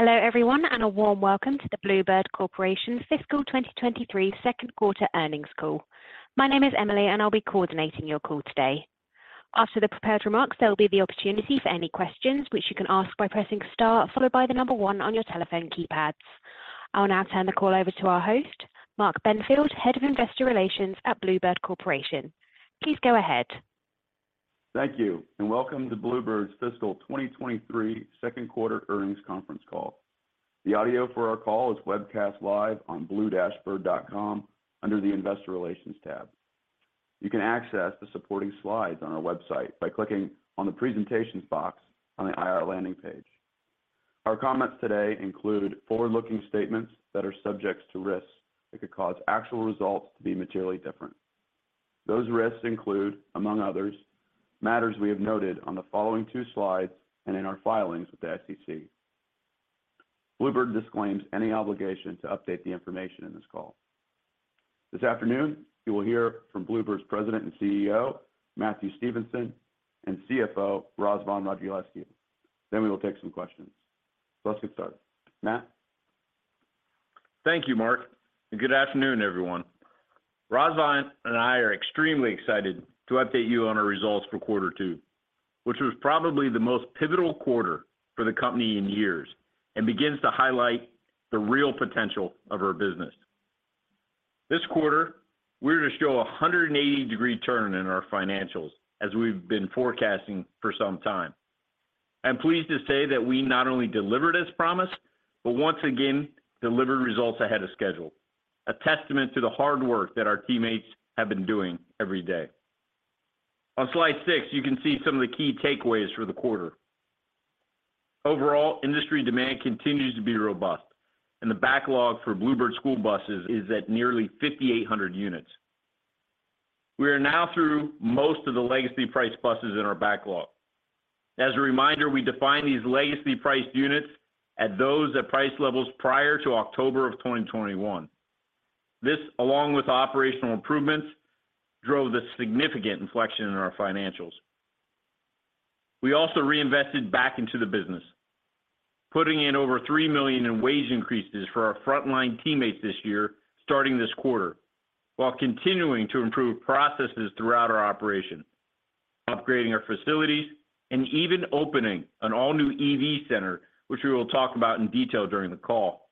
Hello everyone, a warm welcome to the Blue Bird Corporation Fiscal 2023 second quarter earnings call. My name is Emily, I'll be coordinating your call today. After the prepared remarks, there'll be the opportunity for any questions, which you can ask by pressing star one on your telephone keypads. I will now turn the call over to our host, Mark Benfield, Head of Investor Relations at Blue Bird Corporation. Please go ahead. Thank you, and welcome to Blue Bird's Fiscal 2023 second quarter earnings conference call. The audio for our call is webcast live on blue-bird.com under the Investor Relations tab. You can access the supporting slides on our website by clicking on the Presentations box on the IR landing page. Our comments today include forward-looking statements that are subject to risks that could cause actual results to be materially different. Those risks include, among others, matters we have noted on the following two slides and in our filings with the SEC. Blue Bird disclaims any obligation to update the information in this call. This afternoon, you will hear from Blue Bird's President and CEO, Matthew Stevenson, and CFO, Razvan Radulescu. We will take some questions. Let's get started. Matt? Thank you, Mark. Good afternoon, everyone. Razvan and I are extremely excited to update you on our results for quarter two, which was probably the most pivotal quarter for the company in years and begins to highlight the real potential of our business. This quarter, we're to show a 180-degree turn in our financials as we've been forecasting for some time. I'm pleased to say that we not only delivered as promised, but once again delivered results ahead of schedule, a testament to the hard work that our teammates have been doing every day. On slide six, you can see some of the key takeaways for the quarter. Overall, industry demand continues to be robust and the backlog for Blue Bird school buses is at nearly 5,800 units. We are now through most of the legacy priced buses in our backlog. As a reminder, we define these legacy priced units at those at price levels prior to October of 2021. This, along with operational improvements, drove the significant inflection in our financials. We also reinvested back into the business, putting in over $3 million in wage increases for our frontline teammates this year starting this quarter, while continuing to improve processes throughout our operation, upgrading our facilities, and even opening an all-new EV center, which we will talk about in detail during the call.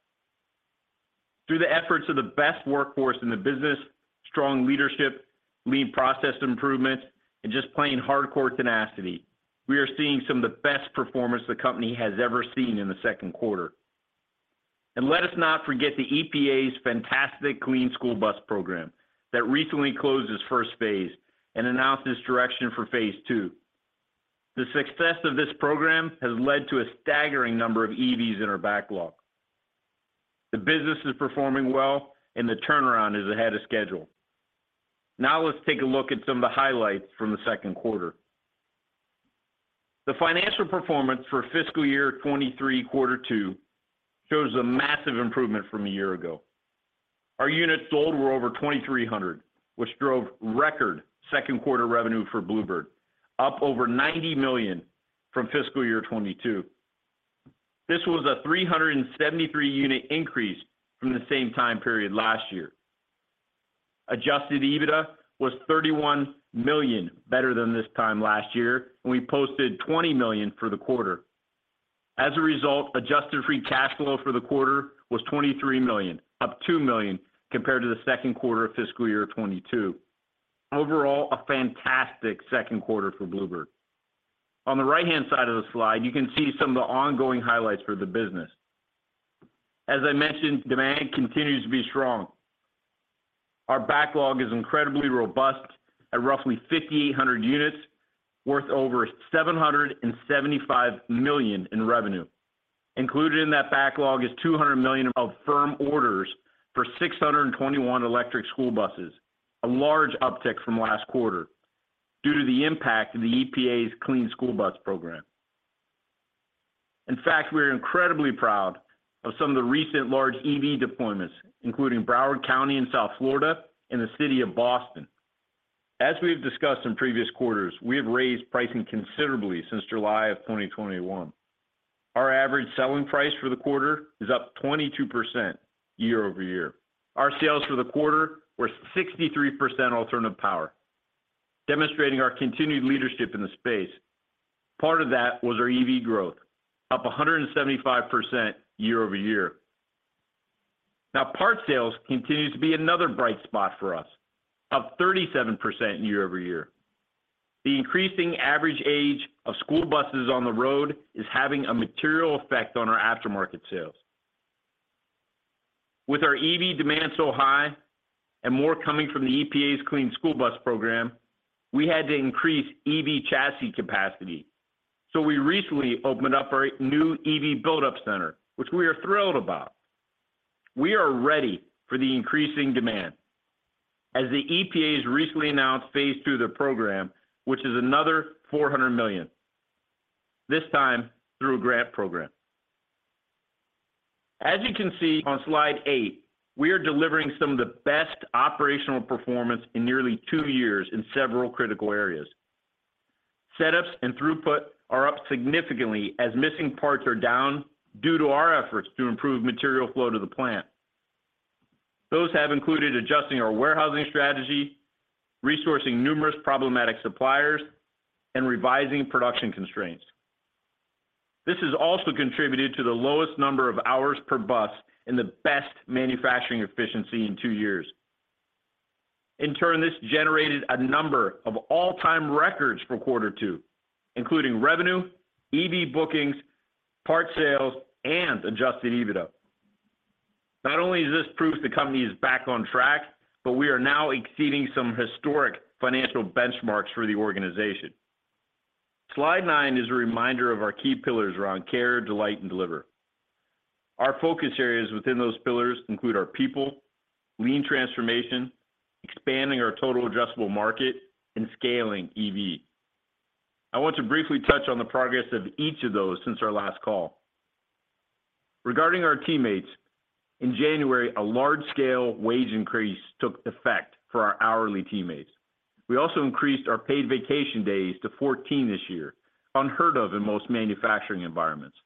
Through the efforts of the best workforce in the business, strong leadership, lean process improvement, and just plain hardcore tenacity, we are seeing some of the best performance the company has ever seen in the second quarter. Let us not forget the EPA's fantastic Clean School Bus Program that recently closed its phase I and announced its direction for phase II. The success of this program has led to a staggering number of EVs in our backlog. The business is performing well and the turnaround is ahead of schedule. Now let's take a look at some of the highlights from the second quarter. The financial performance for fiscal year 2023 quarter two shows a massive improvement from a year ago. Our units sold were over 2,300, which drove record second quarter revenue for Blue Bird, up over $90 million from fiscal year 2022. This was a 373 unit increase from the same time period last year. Adjusted EBITDA was $31 million better than this time last year, and we posted $20 million for the quarter. As a result, Adjusted Free Cash Flow for the quarter was $23 million, up $2 million compared to the second quarter of fiscal year 2022. Overall, a fantastic second quarter for Blue Bird. On the right-hand side of the slide, you can see some of the ongoing highlights for the business. As I mentioned, demand continues to be strong. Our backlog is incredibly robust at roughly 5,800 units worth over $775 million in revenue. Included in that backlog is $200 million of firm orders for 621 electric school buses, a large uptick from last quarter due to the impact of the EPA's Clean School Bus Program. In fact, we're incredibly proud of some of the recent large EV deployments, including Broward County in South Florida and the city of Boston. As we've discussed in previous quarters, we have raised pricing considerably since July of 2021. Our average selling price for the quarter is up 22% year-over-year. Our sales for the quarter were 63% alternative power, demonstrating our continued leadership in the space. Part of that was our EV growth, up 175% year-over-year. Part sales continues to be another bright spot for us, up 37% year-over-year. The increasing average age of school buses on the road is having a material effect on our aftermarket sales. With our EV demand so high and more coming from the EPA's Clean School Bus Program, we had to increase EV chassis capacity. We recently opened up our new EV build-up center, which we are thrilled about. We are ready for the increasing demand as the EPA's recently announced phase II of their program, which is another $400 million, this time through a grant program. As you can see on slide eight, we are delivering some of the best operational performance in nearly two years in several critical areas. Setups and throughput are up significantly as missing parts are down due to our efforts to improve material flow to the plant. Those have included adjusting our warehousing strategy, resourcing numerous problematic suppliers, and revising production constraints. This has also contributed to the lowest number of hours per bus and the best manufacturing efficiency in two years. In turn, this generated a number of all-time records for quarter two, including revenue, EV bookings, part sales, and Adjusted EBITDA. Not only does this prove the company is back on track, but we are now exceeding some historic financial benchmarks for the organization. Slide nine is a reminder of our key pillars around care, delight, and deliver. Our focus areas within those pillars include our people, lean transformation, expanding our total addressable market, and scaling EV. I want to briefly touch on the progress of each of those since our last call. Regarding our teammates, in January, a large-scale wage increase took effect for our hourly teammates. We also increased our paid vacation days to 14 this year, unheard of in most manufacturing environments.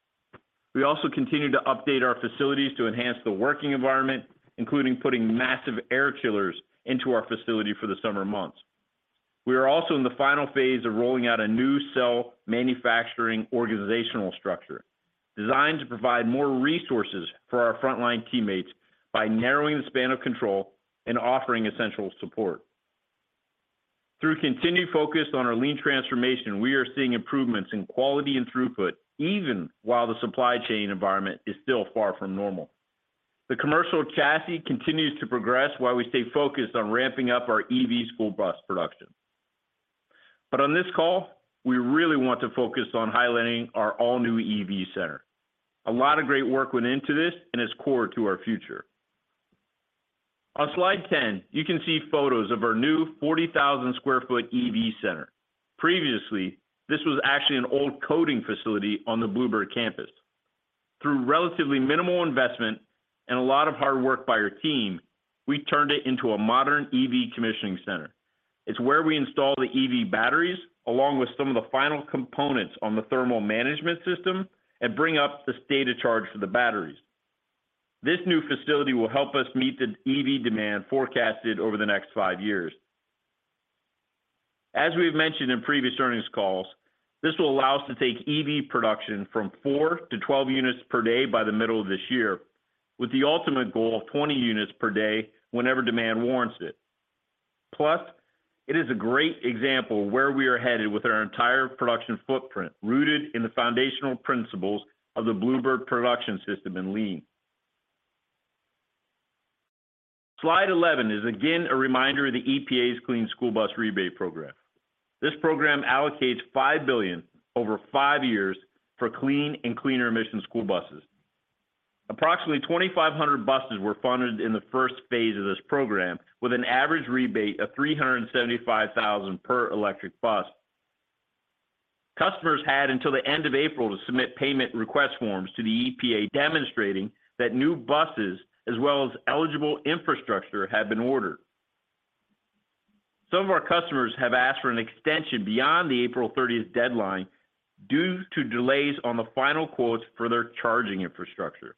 We also continue to update our facilities to enhance the working environment, including putting massive air chillers into our facility for the summer months. We are also in the final phase of rolling out a new cell manufacturing organizational structure designed to provide more resources for our frontline teammates by narrowing the span of control and offering essential support. Through continued focus on our lean transformation, we are seeing improvements in quality and throughput, even while the supply chain environment is still far from normal. The commercial chassis continues to progress while we stay focused on ramping up our EV school bus production. On this call, we really want to focus on highlighting our all-new EV center. A lot of great work went into this and is core to our future. On slide 10, you can see photos of our new 40,000 sq ft EV center. Previously, this was actually an old paint facility on the Blue Bird campus. Through relatively minimal investment and a lot of hard work by our team, we turned it into a modern EV commissioning center. It's where we install the EV batteries along with some of the final components on the thermal management system and bring up the state of charge for the batteries. This new facility will help us meet the EV demand forecasted over the next five years. As we've mentioned in previous earnings calls, this will allow us to take EV production from 4-12 units per day by the middle of this year, with the ultimate goal of 20 units per day whenever demand warrants it. Plus, it is a great example of where we are headed with our entire production footprint, rooted in the foundational principles of the Blue Bird Production System in lean. Slide 11 is again a reminder of the EPA's Clean School Bus Rebate Program. This program allocates $5 billion over five years for clean and cleaner emission school buses. Approximately 2,500 buses were funded in the phase I of this program with an average rebate of $375,000 per electric bus. Customers had until the end of April to submit payment request forms to the EPA demonstrating that new buses as well as eligible infrastructure had been ordered. Some of our customers have asked for an extension beyond the 30th April deadline due to delays on the final quotes for their charging infrastructure.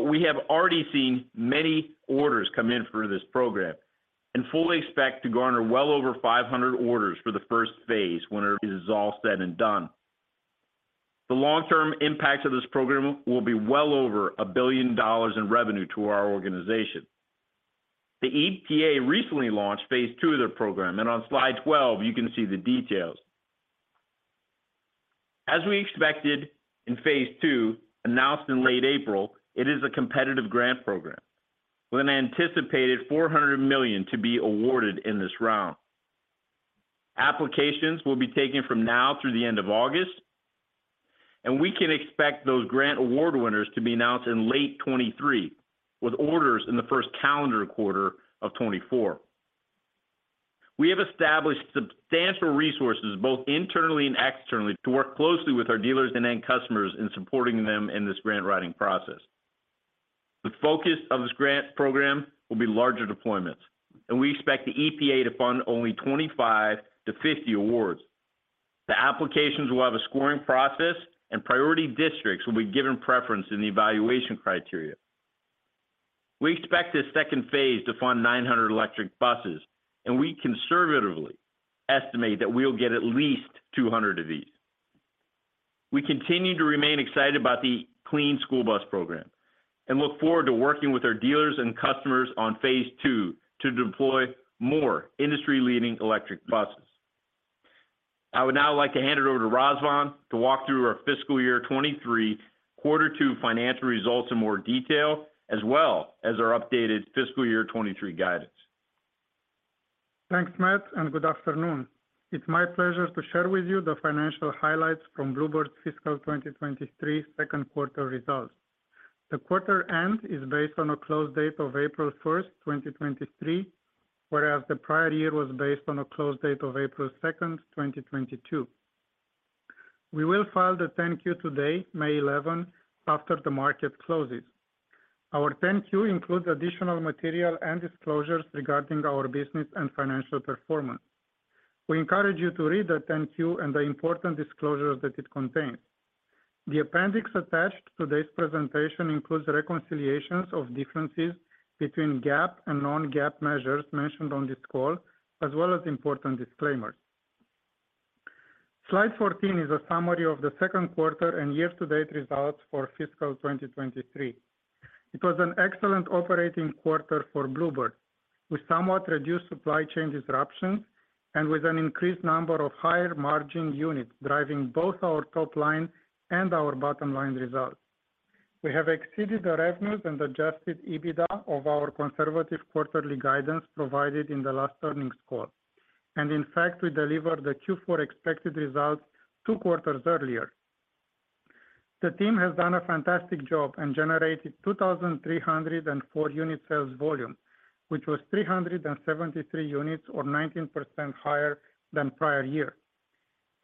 We have already seen many orders come in for this program and fully expect to garner well over 500 orders for the phase I whenever it is all said and done. The long-term impact of this program will be well over $1 billion in revenue to our organization. The EPA recently launched phase II of their program, and on slide 12, you can see the details. As we expected in phase II, announced in late April, it is a competitive grant program with an anticipated $400 million to be awarded in this round. Applications will be taken from now through the end of August. We can expect those grant award winners to be announced in late 2023, with orders in the first calendar quarter of 2024. We have established substantial resources, both internally and externally, to work closely with our dealers and end customers in supporting them in this grant writing process. The focus of this grant program will be larger deployments. We expect the EPA to fund only 25-50 awards. The applications will have a scoring process. Priority districts will be given preference in the evaluation criteria. We expect this phase II to fund 900 electric buses. We conservatively estimate that we will get at least 200 of these. We continue to remain excited about the Clean School Bus Program and look forward to working with our dealers and customers on phase II to deploy more industry-leading electric buses. I would now like to hand it over to Razvan to walk through our fiscal year 2023, quarter 2 financial results in more detail, as well as our updated fiscal year 2023 guidance. Thanks, Matt, and good afternoon. It's my pleasure to share with you the financial highlights from Blue Bird's fiscal 2023 second quarter results. The quarter end is based on a close date of April 1st, 2023, whereas the prior year was based on a close date of April 2nd, 2022. We will file the 10-Q today, May 11, after the market closes. Our 10-Q includes additional material and disclosures regarding our business and financial performance. We encourage you to read the 10-Q and the important disclosures that it contains. The appendix attached to this presentation includes reconciliations of differences between GAAP and non-GAAP measures mentioned on this call, as well as important disclaimers. Slide 14 is a summary of the second quarter and year-to-date results for fiscal 2023. It was an excellent operating quarter for Blue Bird. We somewhat reduced supply chain disruptions and with an increased number of higher margin units driving both our top line and our bottom line results. We have exceeded the revenues and Adjusted EBITDA of our conservative quarterly guidance provided in the last earnings call. In fact, we delivered the Q4 expected results two quarters earlier. The team has done a fantastic job and generated 2,304 unit sales volume, which was 373 units or 19% higher than prior year.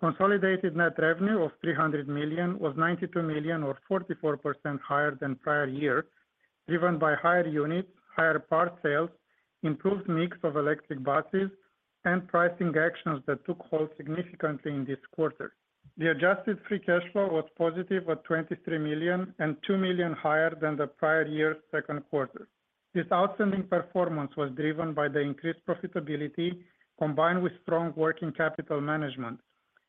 Consolidated net revenue of $300 million was $92 million, or 44% higher than prior year, driven by higher units, higher parts sales, improved mix of electric buses and pricing actions that took hold significantly in this quarter. The Adjusted Free Cash Flow was positive at $23 million and $2 million higher than the prior year's second quarter. This outstanding performance was driven by the increased profitability combined with strong working capital management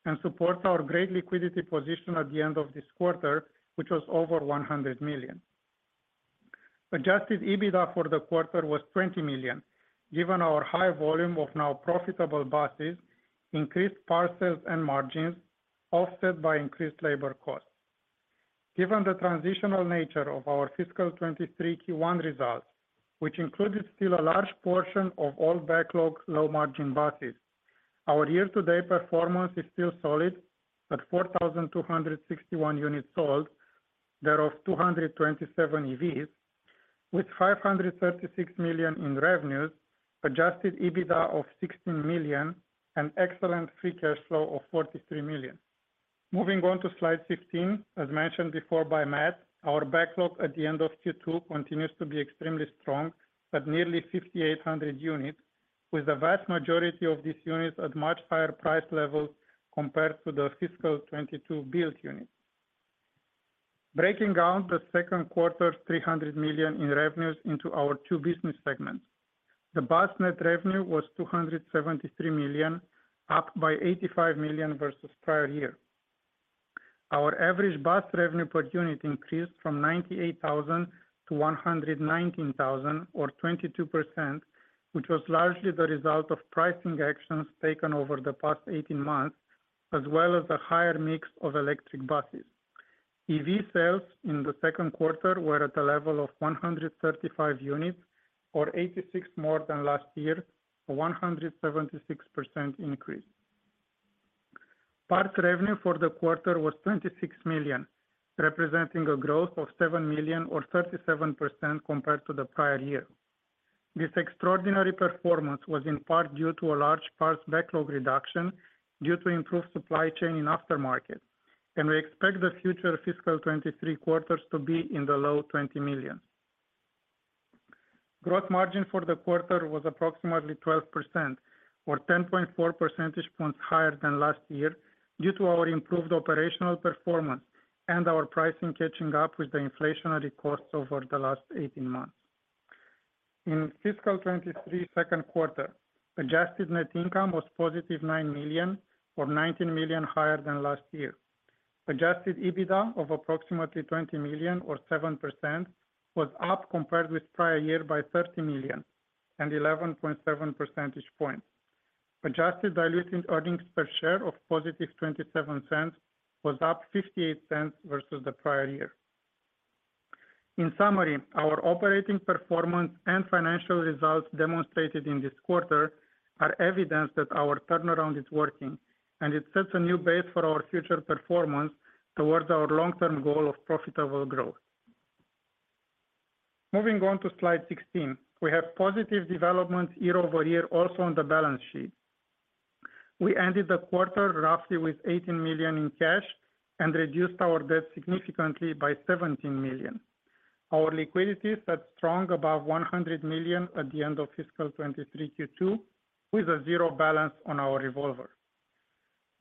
and supports our great liquidity position at the end of this quarter, which was over $100 million. Adjusted EBITDA for the quarter was $20 million, given our high volume of now profitable buses, increased parts sales and margins offset by increased labor costs. Given the transitional nature of our fiscal 2023 Q1 results, which included still a large portion of all backlog low-margin buses, our year-to-date performance is still solid at 4,261 units sold, thereof 227 EVs, with $536 million in revenues, Adjusted EBITDA of $16 million and excellent free cash flow of $43 million. Moving on to slide 15. As mentioned before by Matt, our backlog at the end of Q2 continues to be extremely strong at nearly 5,800 units, with the vast majority of these units at much higher price levels compared to the fiscal 2022 built units. Breaking down the second quarter, $300 million in revenues into our two business segments. The bus net revenue was $273 million, up by $85 million versus prior year. Our average bus revenue per unit increased from $98,000-$119,000, or 22%, which was largely the result of pricing actions taken over the past 18 months, as well as the higher mix of electric buses. EV sales in the second quarter were at a level of 135 units or 86 more than last year for 176% increase. Parts revenue for the quarter was $26 million, representing a growth of $7 million or 37% compared to the prior year. This extraordinary performance was in part due to a large parts backlog reduction due to improved supply chain in aftermarket, and we expect the future fiscal 2023 quarters to be in the low $20 million. Gross margin for the quarter was approximately 12% or 10.4 percentage points higher than last year due to our improved operational performance and our pricing catching up with the inflationary costs over the last 18 months. In fiscal 2023 second quarter, Adjusted net income was positive $9 million or $19 million higher than last year. Adjusted EBITDA of approximately $20 million or 7% was up compared with prior year by $30 million and 11.7 percentage points. Adjusted diluted earnings per share of positive $0.27 was up $0.58 versus the prior year. In summary, our operating performance and financial results demonstrated in this quarter are evidence that our turnaround is working and it sets a new base for our future performance towards our long-term goal of profitable growth. Moving on to slide 16. We have positive developments year-over-year also on the balance sheet. We ended the quarter roughly with $18 million in cash and reduced our debt significantly by $17 million. Our liquidity sat strong above $100 million at the end of fiscal 2023 Q2 with a zero balance on our revolver.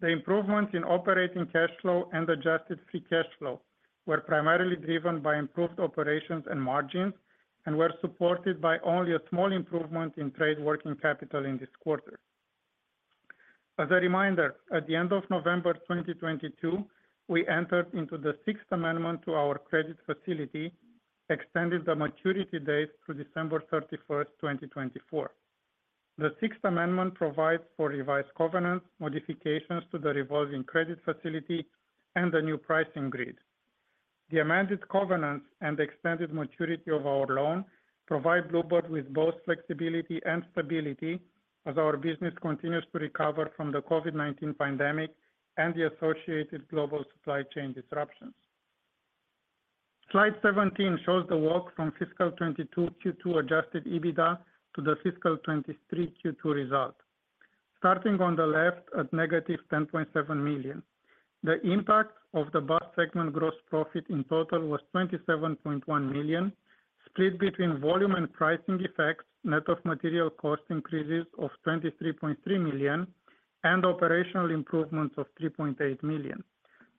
The improvement in operating cash flow and Adjusted Free Cash Flow were primarily driven by improved operations and margins and were supported by only a small improvement in trade working capital in this quarter. As a reminder, at the end of November 2022, we entered into the Sixth Amendment to our credit facility, extended the maturity date to December 31st, 2024. The Sixth Amendment provides for revised covenants, modifications to the revolving credit facility and a new pricing grid. The amended covenants and the extended maturity of our loan provide Blue Bird with both flexibility and stability as our business continues to recover from the COVID-19 pandemic and the associated global supply chain disruptions. Slide 17 shows the work from fiscal 22 Q-two Adjusted EBITDA to the fiscal 23 Q-two result. Starting on the left at -$10.7 million. The impact of the bus segment gross profit in total was $27.1 million, split between volume and pricing effects, net of material cost increases of $23.3 million and operational improvements of $3.8 million.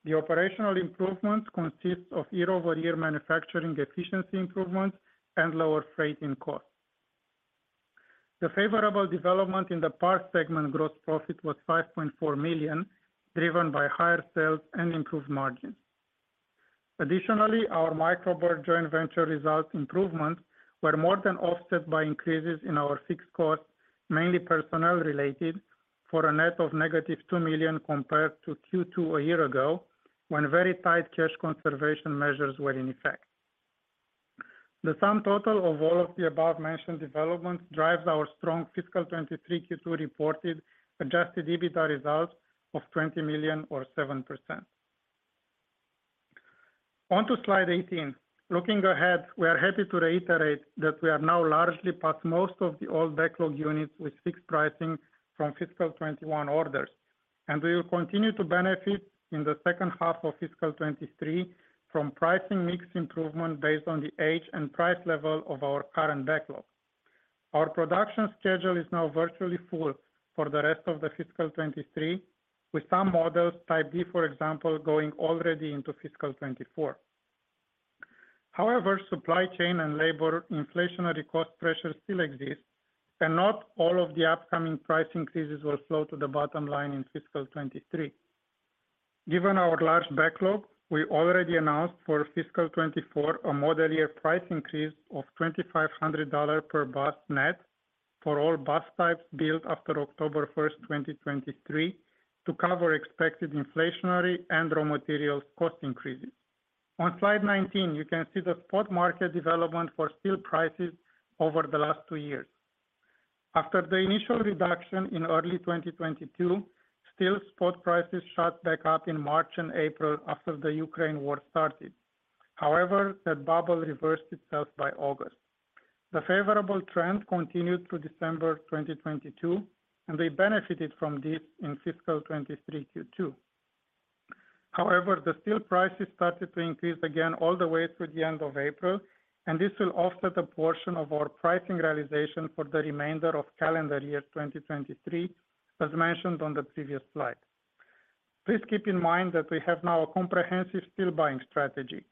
The operational improvements consist of year-over-year manufacturing efficiency improvements and lower freight in cost. The favorable development in the parts segment gross profit was $5.4 million, driven by higher sales and improved margins. Additionally, our Micro Bird joint venture results improvements were more than offset by increases in our fixed costs, mainly personnel related, for a net of negative $2 million compared to Q2 a year ago when very tight cash conservation measures were in effect. The sum total of all of the above-mentioned developments drives our strong fiscal 23 Q2 reported Adjusted EBITDA results of $20 million or 7%. On to slide 18. Looking ahead, we are happy to reiterate that we are now largely past most of the old backlog units with fixed pricing from fiscal 21 orders. We will continue to benefit in the second half of fiscal 2023 from pricing mix improvement based on the age and price level of our current backlog. Our production schedule is now virtually full for the rest of fiscal 2023, with some models, Type D, for example, going already into fiscal 2024. However, supply chain and labor inflationary cost pressures still exist, and not all of the upcoming price increases will flow to the bottom line in fiscal 2023. Given our large backlog, we already announced for fiscal 2024 a model year price increase of $2,500 per bus net for all bus types built after October 1, 2023 to cover expected inflationary and raw materials cost increases. On slide 19, you can see the spot market development for steel prices over the last two years. After the initial reduction in early 2022, steel spot prices shot back up in March and April after the Ukraine war started. However, that bubble reversed itself by August. The favorable trend continued through December 2022, and we benefited from this in fiscal 23 Q2. However, the steel prices started to increase again all the way through the end of April, and this will offset a portion of our pricing realization for the remainder of calendar year 2023, as mentioned on the previous slide. Please keep in mind that we have now a comprehensive steel buying strategy,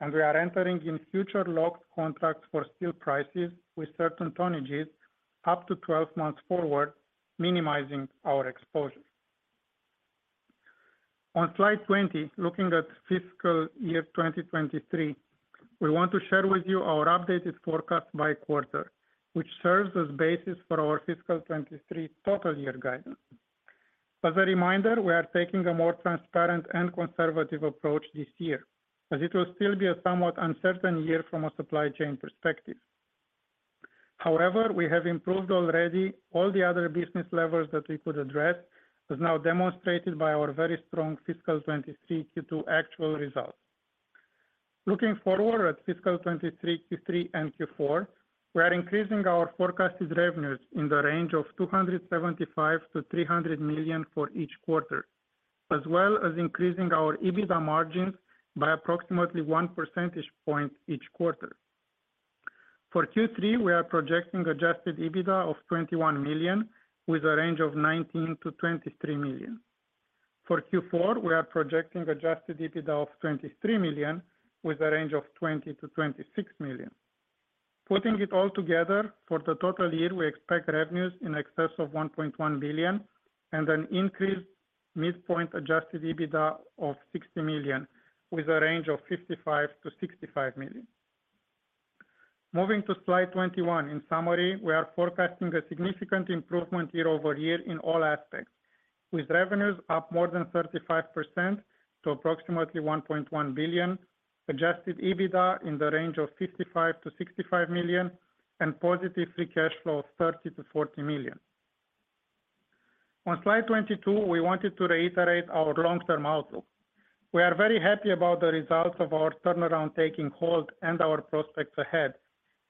and we are entering in future locked contracts for steel prices with certain tonnages up to 12 months forward, minimizing our exposure. On slide 20, looking at fiscal year 2023, we want to share with you our updated forecast by quarter, which serves as basis for our fiscal 2023 total year guidance. As a reminder, we are taking a more transparent and conservative approach this year, as it will still be a somewhat uncertain year from a supply chain perspective. However, we have improved already all the other business levers that we could address, as now demonstrated by our very strong fiscal 2023 Q2 actual results. Looking forward at fiscal 2023 Q3, and Q4, we are increasing our forecasted revenues in the range of $275 million-$300 million for each quarter, as well as increasing our EBITDA margins by approximately 1 percentage point each quarter. For Q3, we are projecting Adjusted EBITDA of $21 million, with a range of $19 million-$23 million. For Q4, we are projecting Adjusted EBITDA of $23 million with a range of $20 million-$26 million. Putting it all together, for the total year, we expect revenues in excess of $1.1 billion and an increased midpoint Adjusted EBITDA of $60 million with a range of $55 million-$65 million. Moving to slide 21. In summary, we are forecasting a significant improvement year-over-year in all aspects, with revenues up more than 35% to approximately $1.1 billion, Adjusted EBITDA in the range of $55 million-$65 million, and positive free cash flow of $30 million-$40 million. On slide 22, we wanted to reiterate our long-term outlook. We are very happy about the results of our turnaround taking hold and our prospects ahead,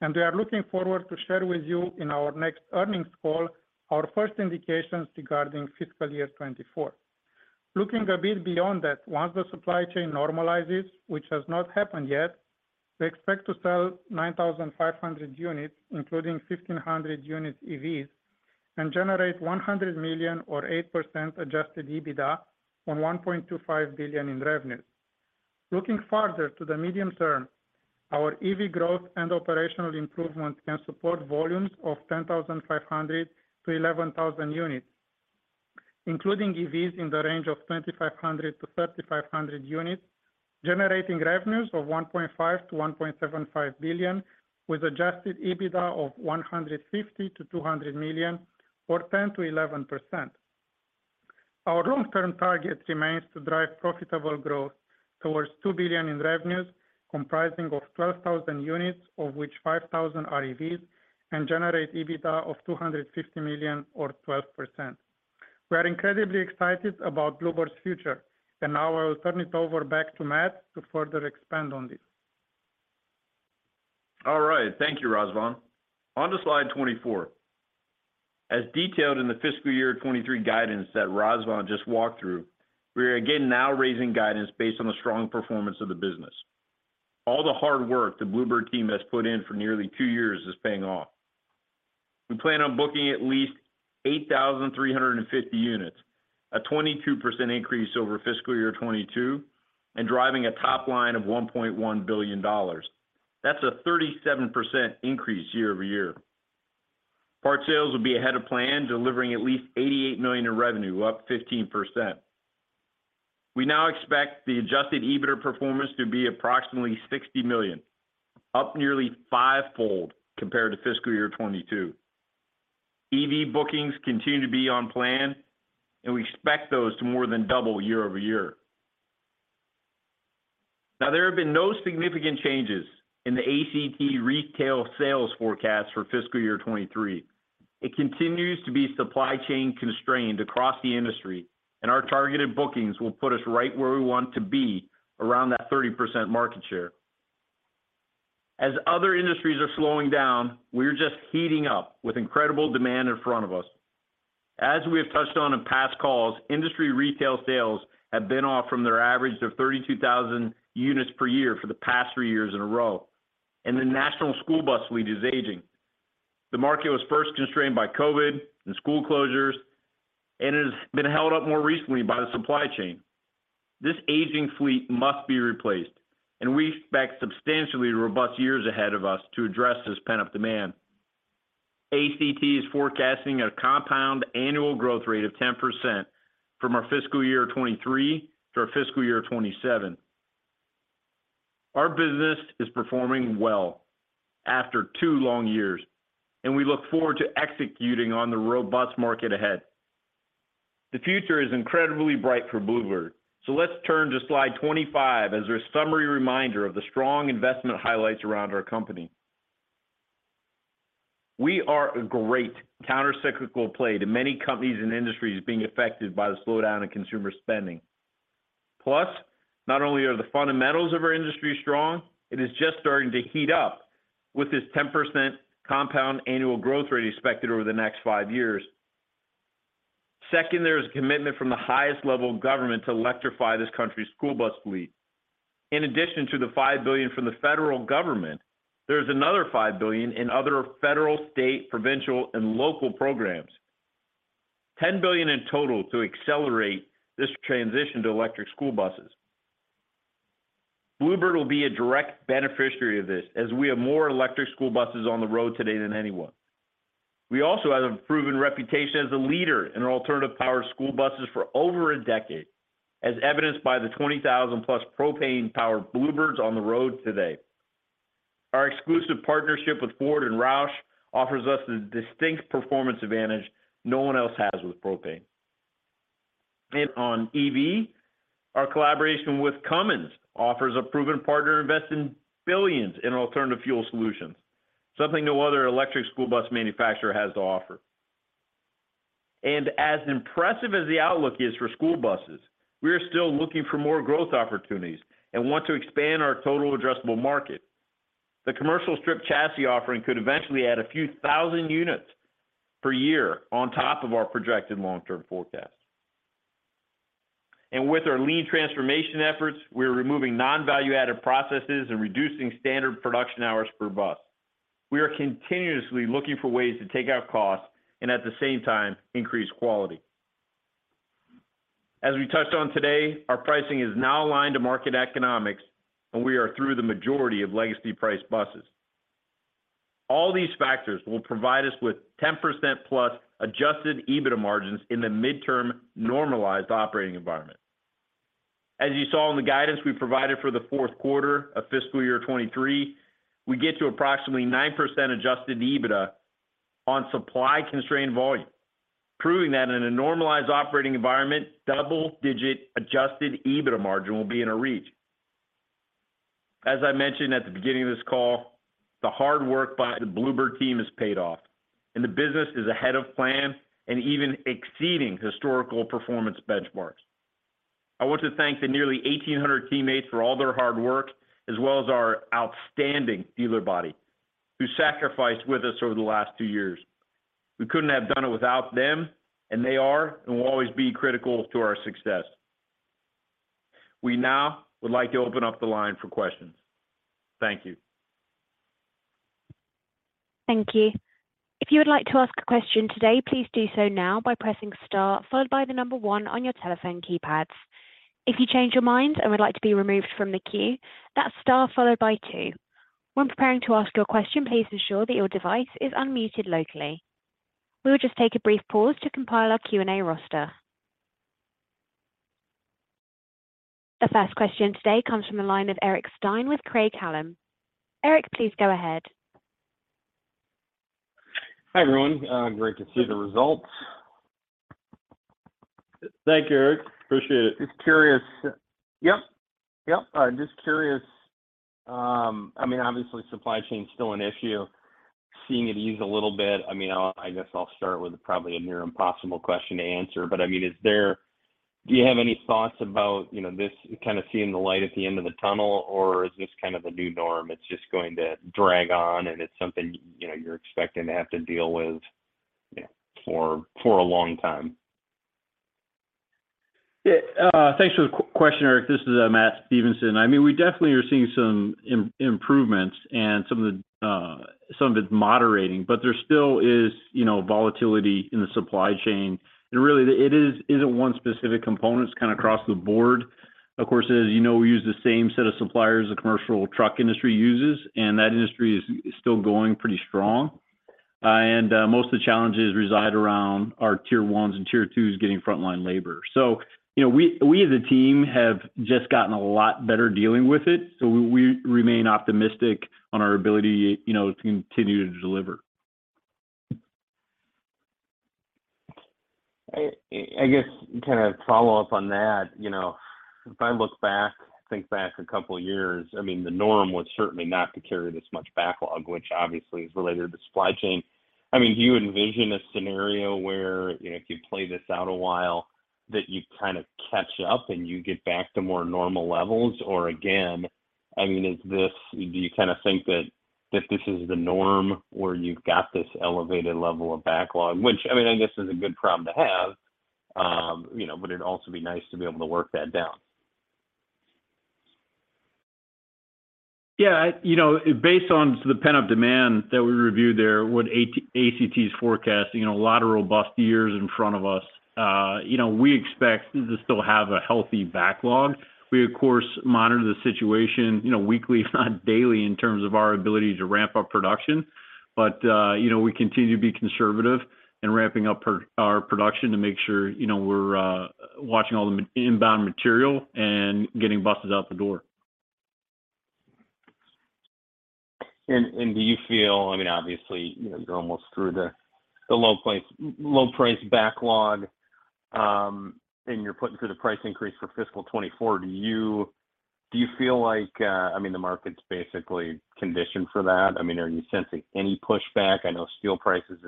and we are looking forward to share with you in our next earnings call our first indications regarding fiscal year 2024. Looking a bit beyond that, once the supply chain normalizes, which has not happened yet, we expect to sell 9,500 units, including 1,500 units EVs, and generate $100 million or 8% Adjusted EBITDA on $1.25 billion in revenues. Looking farther to the medium term, our EV growth and operational improvement can support volumes of 10,500-11,000 units, including EVs in the range of 2,500-3,500 units, generating revenues of $1.5 billion-$1.75 billion with Adjusted EBITDA of $150 million-$200 million or 10%-11%. Our long-term target remains to drive profitable growth towards $2 billion in revenues comprising of 12,000 units of which 5,000 are EVs and generate EBITDA of $250 million or 12%. We are incredibly excited about Blue Bird's future. Now I will turn it over back to Matt to further expand on this. All right. Thank you, Razvan. On to slide 24. As detailed in the fiscal year 2023 guidance that Razvan just walked through, we are again now raising guidance based on the strong performance of the business. All the hard work the Blue Bird team has put in for nearly two years is paying off. We plan on booking at least 8,350 units, a 22% increase over fiscal year 2022, and driving a top line of $1.1 billion. That's a 37% increase year-over-year. Part sales will be ahead of plan, delivering at least $88 million in revenue, up 15%. We now expect the Adjusted EBITDA performance to be approximately $60 million, up nearly five-fold compared to fiscal year 2022. EV bookings continue to be on plan, and we expect those to more than double year-over-year. There have been no significant changes in the ACT retail sales forecast for fiscal year 23. It continues to be supply chain constrained across the industry, and our targeted bookings will put us right where we want to be around that 30% market share. As other industries are slowing down, we're just heating up with incredible demand in front of us. As we have touched on in past calls, industry retail sales have been off from their average of 32,000 units per year for the past three years in a row, and the national school bus fleet is aging. The market was first constrained by COVID and school closures, and it has been held up more recently by the supply chain. This aging fleet must be replaced, and we expect substantially robust years ahead of us to address this pent-up demand. ACT is forecasting a compound annual growth rate of 10% from our fiscal year 2023 to our fiscal year 2027. Our business is performing well after two long years, and we look forward to executing on the robust market ahead. The future is incredibly bright for Blue Bird, so let's turn to slide 25 as a summary reminder of the strong investment highlights around our company. We are a great countercyclical play to many companies and industries being affected by the slowdown in consumer spending. Plus, not only are the fundamentals of our industry strong, it is just starting to heat up with this 10% compound annual growth rate expected over the next five years. Second, there is commitment from the highest level of government to electrify this country's school bus fleet. In addition to the $5 billion from the federal government, there's another $5 billion in other federal, state, provincial, and local programs. $10 billion in total to accelerate this transition to electric school buses. Blue Bird will be a direct beneficiary of this, as we have more electric school buses on the road today than anyone. We also have a proven reputation as a leader in alternative power school buses for over a decade, as evidenced by the 20,000+ propane-powered Blue Birds on the road today. Our exclusive partnership with Ford and ROUSH offers us a distinct performance advantage no one else has with propane. On EV, our collaboration with Cummins offers a proven partner invested billions in alternative fuel solutions, something no other electric school bus manufacturer has to offer. As impressive as the outlook is for school buses, we are still looking for more growth opportunities and want to expand our total addressable market. The commercial strip chassis offering could eventually add a few thousand units per year on top of our projected long-term forecast. With our lean transformation efforts, we're removing non-value-added processes and reducing standard production hours per bus. We are continuously looking for ways to take out costs and at the same time increase quality. As we touched on today, our pricing is now aligned to market economics, and we are through the majority of legacy price buses. All these factors will provide us with 10%+ Adjusted EBITDA margins in the midterm normalized operating environment. As you saw in the guidance we provided for the fourth quarter of fiscal year 2023, we get to approximately 9% Adjusted EBITDA on supply-constrained volume, proving that in a normalized operating environment, double-digit Adjusted EBITDA margin will be in a reach. As I mentioned at the beginning of this call, the hard work by the Blue Bird team has paid off. The business is ahead of plan and even exceeding historical performance benchmarks. I want to thank the nearly 1,800 teammates for all their hard work, as well as our outstanding dealer body who sacrificed with us over the last two years. We couldn't have done it without them. They are and will always be critical to our success. We now would like to open up the line for questions. Thank you. Thank you. If you would like to ask a question today, please do so now by pressing star followed by the number one on your telephone keypads. If you change your mind and would like to be removed from the queue, that's star followed by two. When preparing to ask your question, please ensure that your device is unmuted locally. We will just take a brief pause to compile our Q&A roster. The first question today comes from the line of Eric Stine with Craig-Hallum. Eric, please go ahead. Hi, everyone. Great to see the results. Thank you, Eric. Appreciate it. Just curious. Yep. Yep. I'm just curious, I mean, obviously, supply chain is still an issue Seeing it ease a little bit, I mean, I guess I'll start with probably a near impossible question to answer. I mean, do you have any thoughts about, you know, this kind of seeing the light at the end of the tunnel, or is this kind of a new norm? It's just going to drag on and it's something, you know, you're expecting to have to deal with, you know, for a long time. Yeah. Thanks for the question, Eric. This is Matt Stevenson. I mean, we definitely are seeing some improvements and some of the, some of it's moderating, but there still is, you know, volatility in the supply chain. Really, it isn't one specific component. It's kind of across the board. Of course, as you know, we use the same set of suppliers the commercial truck industry uses, and that industry is still going pretty strong. Most of the challenges reside around our tier ones and tier twos getting frontline labor. You know, we as a team have just gotten a lot better dealing with it. We remain optimistic on our ability, you know, to continue to deliver. I guess kind of follow up on that. You know, if I look back, think back a couple years, I mean, the norm was certainly not to carry this much backlog, which obviously is related to supply chain. I mean, do you envision a scenario where, you know, if you play this out a while, that you kind of catch up and you get back to more normal levels? Or again, I mean, is this do you kind of think that this is the norm where you've got this elevated level of backlog? Which, I mean, I guess is a good problem to have, you know, but it'd also be nice to be able to work that down. Yeah. You know, based on the pent-up demand that we reviewed there, what ACT is forecasting, a lot of robust years in front of us, you know, we expect to still have a healthy backlog. We, of course, monitor the situation, you know, weekly, if not daily, in terms of our ability to ramp up production. You know, we continue to be conservative in ramping up our production to make sure, you know, we're watching all the inbound material and getting buses out the door. Do you feel, I mean, obviously, you know, you're almost through the low price backlog, and you're putting through the price increase for fiscal 2024. Do you feel like, I mean, the market's basically conditioned for that? I mean, are you sensing any pushback? I know steel prices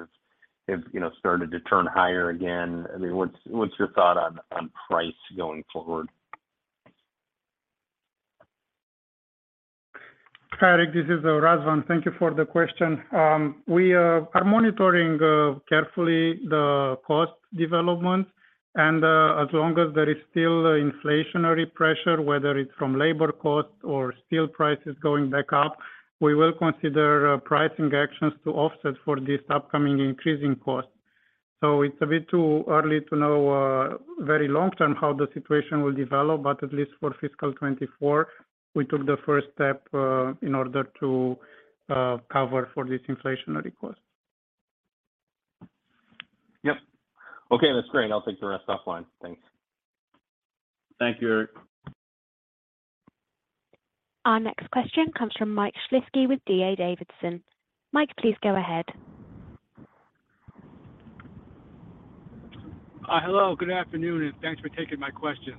have, you know, started to turn higher again. I mean, what's your thought on price going forward? Hi, Eric, this is Razvan. Thank you for the question. We are monitoring carefully the cost development. As long as there is still inflationary pressure, whether it's from labor costs or steel prices going back up, we will consider pricing actions to offset for this upcoming increase in cost. It's a bit too early to know very long term how the situation will develop, but at least for fiscal 2024, we took the first step in order to cover for this inflationary cost. Yep. Okay, that's great. I'll take the rest offline. Thanks. Thank you, Eric. Our next question comes from Michael Shlisky with D.A. Davidson. Mike, please go ahead. Hello, good afternoon, and thanks for taking my questions.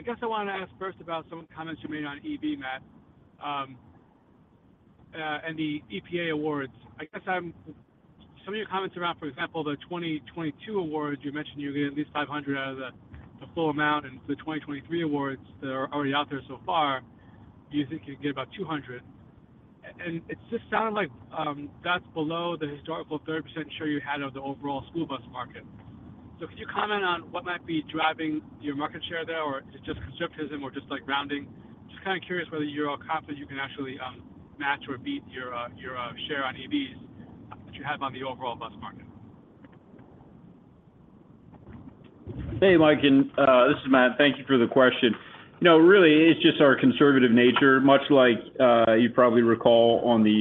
I guess I wanna ask first about some of the comments you made on EV, Matt, and the EPA awards. I guess some of your comments around, for example, the 2022 awards, you mentioned you were getting at least 500 out of the full amount. The 2023 awards that are already out there so far, you think you can get about 200. It just sounded like that's below the historical 30% share you had of the overall school bus market. Could you comment on what might be driving your market share there, or is it just conservatism or just, like, rounding? Just kinda curious whether you're all confident you can actually match or beat your share on EVs that you have on the overall bus market? Hey, Mike, this is Matt. Thank you for the question. You know, really, it's just our conservative nature. Much like, you probably recall on the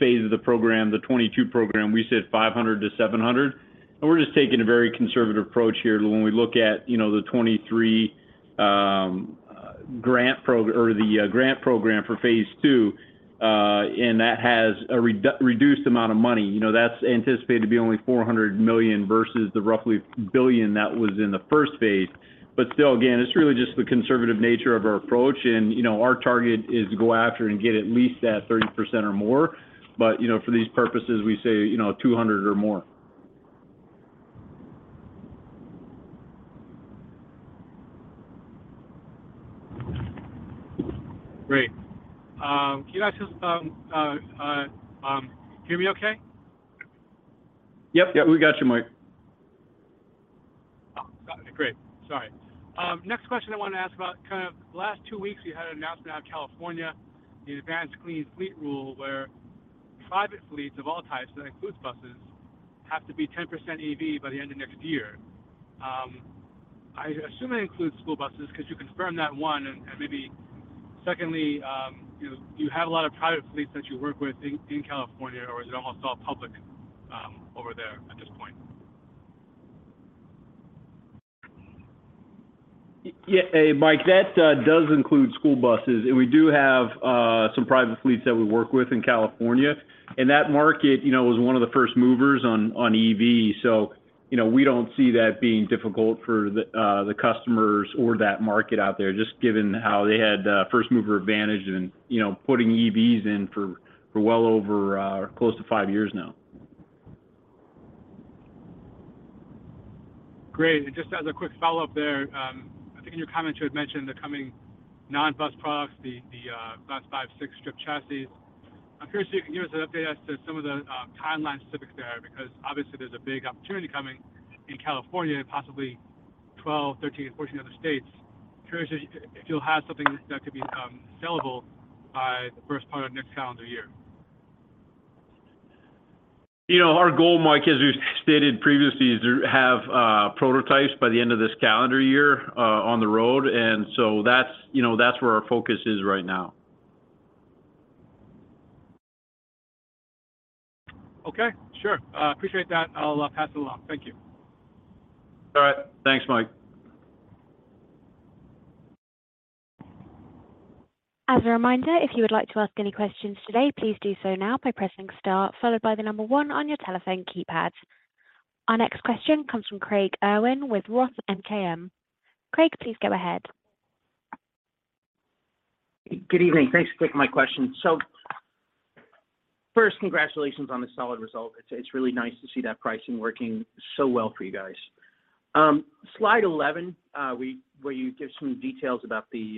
phase I of the program, the 2022 program, we said 500-700. We're just taking a very conservative approach here when we look at, you know, the 2023 grant program for phase II, and that has a reduced amount of money. You know, that's anticipated to be only $400 million versus the roughly $1 billion that was in the phase I. Still, again, it's really just the conservative nature of our approach. You know, our target is to go after and get at least that 30% or more. You know, for these purposes, we say, you know, 200 or more. Great. Can you guys just hear me okay? Yep. Yep. We got you, Mike. Oh, got it. Great. Sorry. Next question I wanted to ask about kind of the last two weeks, you had an announcement out of California, the Advanced Clean Fleets rule, where private fleets of all types, so that includes buses, have to be 10% EV by the end of next year. I assume that includes school buses. Could you confirm that, one? Maybe secondly, you know, do you have a lot of private fleets that you work with in California, or is it almost all public, over there at this point? Yeah. Hey, Mike, that does include school buses, and we do have some private fleets that we work with in California. That market, you know, was one of the first movers on EVs. You know, we don't see that being difficult for the customers or that market out there, just given how they had first mover advantage and, you know, putting EVs in for well over close to five years now. Great. Just as a quick follow-up there, I think in your comments you had mentioned the coming non-bus products, the Class 5-6 strip chassis. I'm curious if you can give us an update as to some of the timeline specifics there, because obviously there's a big opportunity coming in California and possibly 12, 13, and 14 other states. I'm curious if you'll have something that could be sellable by the first part of next calendar year. You know, our goal, Mike, as we've stated previously, is to have prototypes by the end of this calendar year on the road. That's, you know, that's where our focus is right now. Okay. Sure. appreciate that. I'll pass it along. Thank you. All right. Thanks, Mike. As a reminder, if you would like to ask any questions today, please do so now by pressing star followed by the number one on your telephone keypad. Our next question comes from Craig Irwin with ROTH MKM. Craig, please go ahead. Good evening. Thanks for taking my question. First, congratulations on the solid result. It's really nice to see that pricing working so well for you guys. slide 11, where you give some details about the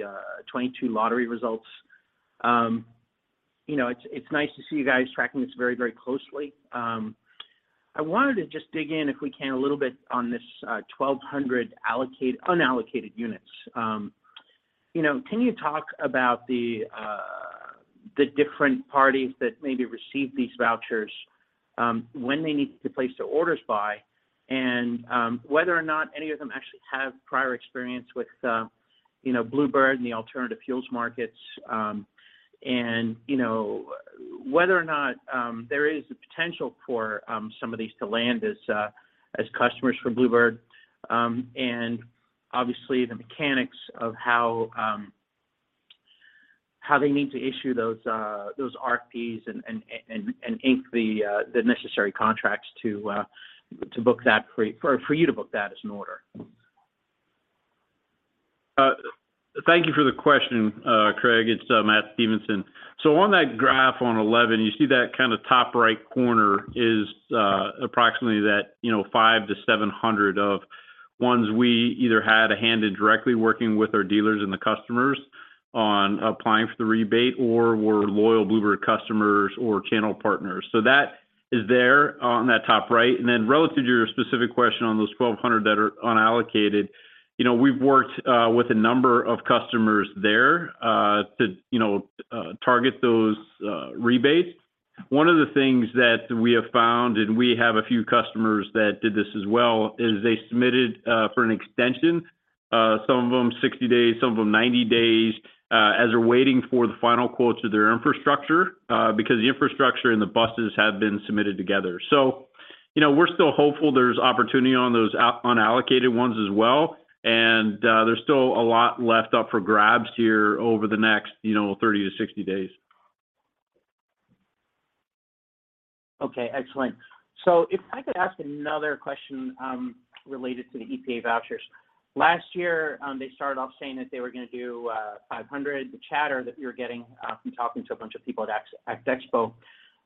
2022 lottery results. you know, it's nice to see you guys tracking this very closely. I wanted to just dig in, if we can, a little bit on this 1,200 unallocated units. You know, can you talk about the different parties that maybe received these vouchers, when they need to place their orders by, and, you know, whether or not any of them actually have prior experience with, you know, Blue Bird and the alternative fuels markets, and, you know, whether or not there is a potential for some of these to land as customers for Blue Bird, and obviously the mechanics of how they need to issue those RFPs and ink the necessary contracts to book that for you to book that as an order? Thank you for the question, Craig. It's Matt Stevenson. On that graph on 11, you see that kinda top right corner is approximately that, you know, 500-700 of ones we either had a hand in directly working with our dealers and the customers on applying for the rebate or were loyal Blue Bird customers or channel partners. That is there on that top right. Relative to your specific question on those 1,200 that are unallocated, you know, we've worked with a number of customers there to, you know, target those rebates. One of the things that we have found, and we have a few customers that did this as well, is they submitted for an extension, some of them 60 days, some of them 90 days, as they're waiting for the final quotes of their infrastructure, because the infrastructure and the buses have been submitted together. You know, we're still hopeful there's opportunity on those unallocated ones as well, and there's still a lot left up for grabs here over the next, you know, 30-60 days. Okay. Excellent. If I could ask another question, related to the EPA vouchers. Last year, they started off saying that they were gonna do $500 million. The chatter that we were getting from talking to a bunch of people at ACT Expo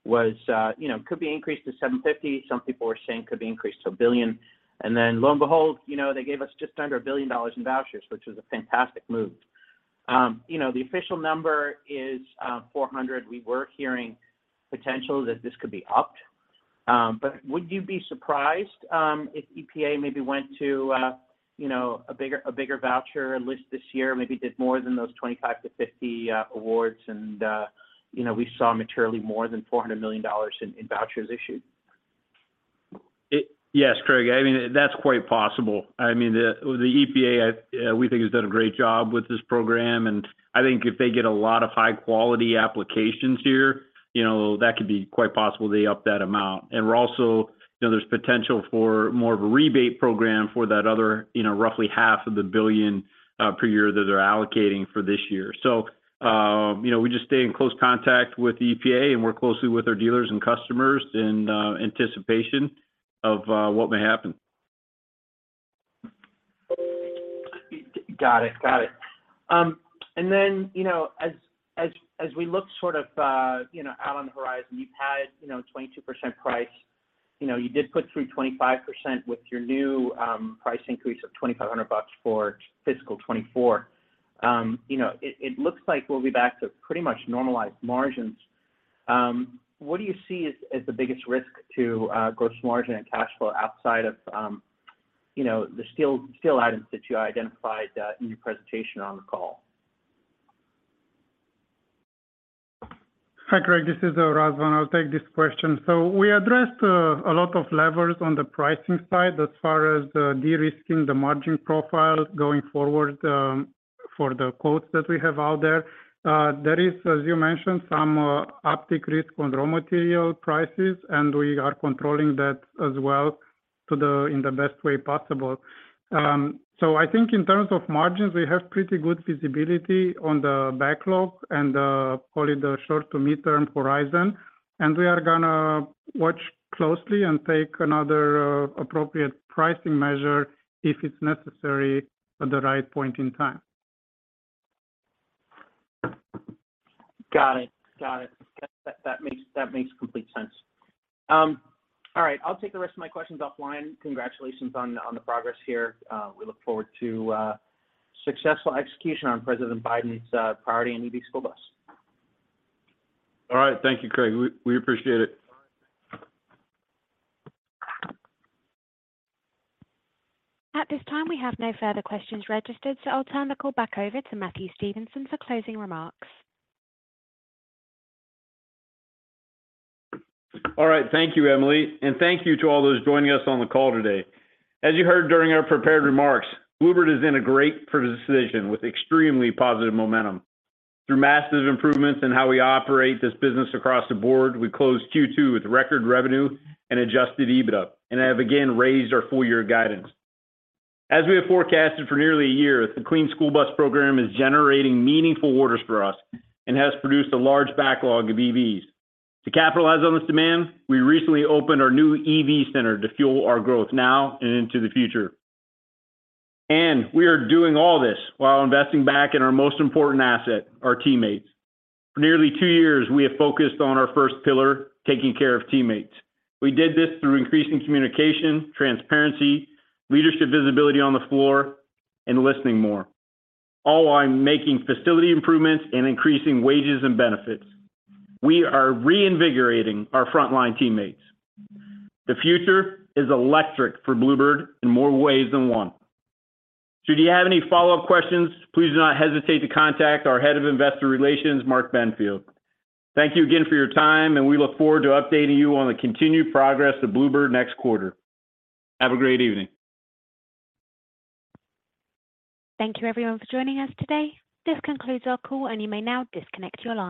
was, you know, could be increased to $750 million. Some people were saying could be increased to $1 billion. Then lo and behold, you know, they gave us just under $1 billion in vouchers, which was a fantastic move. You know, the official number is $400 million. We were hearing potential that this could be upped. Would you be surprised if EPA maybe went to a bigger voucher list this year, maybe did more than those 25-50 awards and we saw materially more than $400 million in vouchers issued? Yes, Craig. I mean, the EPA, we think, has done a great job with this program. I think if they get a lot of high-quality applications here, you know, that could be quite possible they up that amount. You know, there's potential for more of a rebate program for that other, you know, roughly half of the billion per year that they're allocating for this year. You know, we just stay in close contact with the EPA and work closely with our dealers and customers in anticipation of what may happen. Got it. Got it. You know, as we look sort of, you know, out on the horizon, you've had, you know, 22% price. You know, you did put through 25% with your new price increase of $2,500 for fiscal 2024. You know, it looks like we'll be back to pretty much normalized margins. What do you see as the biggest risk to gross margin and cash flow outside of, you know, the steel items that you identified in your presentation on the call? Hi, Craig. This is Razvan. I'll take this question. We addressed a lot of levers on the pricing side as far as de-risking the margin profile going forward for the quotes that we have out there. There is, as you mentioned, some uptick risk on raw material prices, and we are controlling that as well in the best way possible. I think in terms of margins, we have pretty good visibility on the backlog and call it the short to mid-term horizon, and we are gonna watch closely and take another appropriate pricing measure if it's necessary at the right point in time. Got it. That makes complete sense. All right. I'll take the rest of my questions offline. Congratulations on the progress here. We look forward to successful execution on President Biden's priority on EV school bus. All right. Thank you, Craig. We appreciate it. At this time, we have no further questions registered, so I'll turn the call back over to Matthew Stevenson for closing remarks. All right. Thank you, Emily. Thank you to all those joining us on the call today. As you heard during our prepared remarks, Blue Bird is in a great position with extremely positive momentum. Through massive improvements in how we operate this business across the board, we closed Q2 with record revenue and Adjusted EBITDA, and have again raised our full year guidance. As we have forecasted for nearly a year, the Clean School Bus Program is generating meaningful orders for us and has produced a large backlog of EVs. To capitalize on this demand, we recently opened our new EV center to fuel our growth now and into the future. We are doing all this while investing back in our most important asset, our teammates. For nearly two years, we have focused on our first pillar, taking care of teammates. We did this through increasing communication, transparency, leadership visibility on the floor, and listening more, all while making facility improvements and increasing wages and benefits. We are reinvigorating our frontline teammates. The future is electric for Blue Bird in more ways than one. Should you have any follow-up questions, please do not hesitate to contact our Head of Investor Relations, Mark Benfield. Thank you again for your time, and we look forward to updating you on the continued progress of Blue Bird next quarter. Have a great evening. Thank you everyone for joining us today. This concludes our call, and you may now disconnect your line.